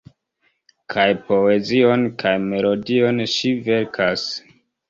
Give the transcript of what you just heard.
Kaj poezion kaj melodion ŝi verkas.